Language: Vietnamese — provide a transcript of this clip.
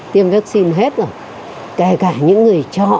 tiêm vaccine hết rồi kể cả những người chọ